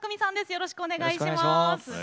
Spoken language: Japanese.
よろしくお願いします。